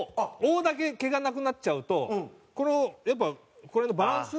Ｏだけ毛がなくなっちゃうとこのやっぱこれのバランス。